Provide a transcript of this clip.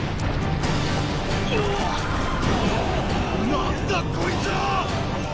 何だこいつはァ⁉